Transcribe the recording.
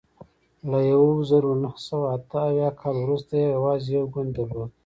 له یوه زرو نهه سوه اته اویا کال وروسته یې یوازې یو ګوند درلود.